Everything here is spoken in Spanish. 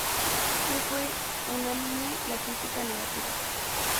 que fue unánime la crítica negativa